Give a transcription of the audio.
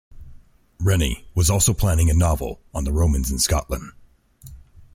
Rennie was also planning a novel on the Romans in Scotland.